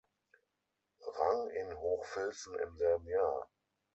Rang in Hochfilzen im selben Jahr.